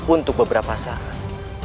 untuk beberapa saat